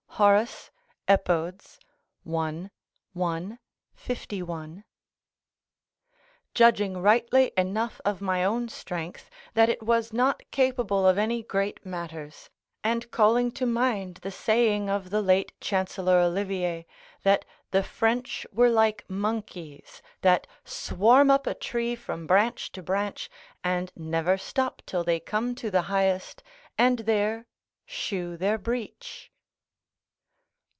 Horace, Ep., i. I, 51.] judging rightly enough of my own strength, that it was not capable of any great matters; and calling to mind the saying of the late Chancellor Olivier, that the French were like monkeys that swarm up a tree from branch to branch, and never stop till they come to the highest, and there shew their breech.